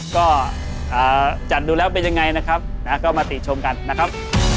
ก็จัดดูแล้วเป็นยังไงนะครับก็มาติชมกันนะครับ